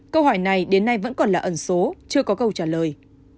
câu hỏi này đến nay vẫn còn là ẩn số chưa có câu trả lời